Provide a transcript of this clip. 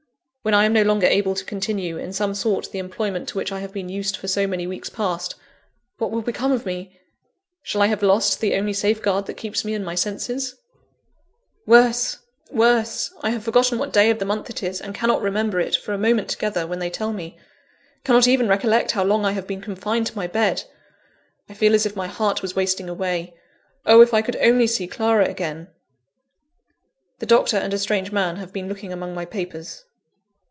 When I am no longer able to continue, in some sort, the employment to which I have been used for so many weeks past, what will become of me? Shall I have lost the only safeguard that keeps me in my senses? Worse! worse! I have forgotten what day of the month it is; and cannot remember it for a moment together, when they tell me cannot even recollect how long I have been confined to my bed. I feel as if my heart was wasting away. Oh! if I could only see Clara again. The doctor and a strange man have been looking among my papers.